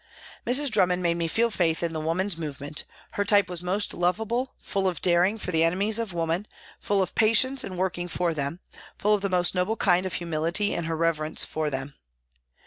Mrs. Drummond made me feel faith in the woman's movement, her type was most lovable, full of daring for the enemies of woman, full of patience in working for them, full of the most noble kind of humility in her reverence for them.